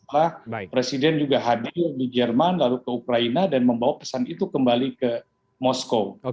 pak presiden juga hadir di jerman lalu ke ukraina dan membawa pesan itu kembali ke moskow